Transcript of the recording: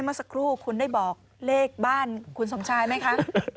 เมื่อสักครู่คุณได้บอกเลขบ้านคุณสมชายไหมคะ